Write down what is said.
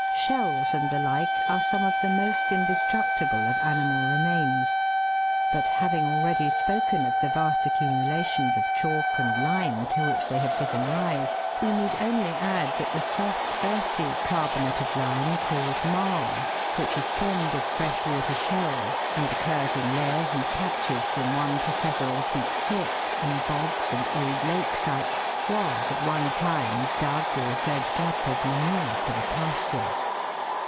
Shells and the like are some of the most indestructible of animal remains ; but having already spoken of the vast accumulations of chalk and lime to which they have given rise, we need only add that the soft earthy carbonate of lime called "marl," which is formed of freshwater shells and occurs in layers and patches from one to several feet thick in bogs and old lake sites, was at one time dug or dredged up as manure for the pastures.